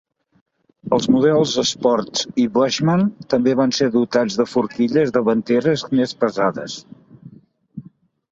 Els models Sports i Bushman també van ser dotats de forquilles davanteres més pesades.